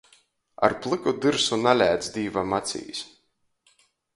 Ar plyku dyrsu nalēc Dīvam acīs.